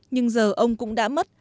nhưng giờ ông cũng đã mất